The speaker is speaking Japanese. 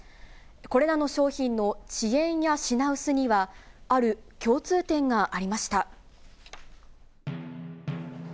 これらの商品の遅延や品薄には、ある共通点がありました。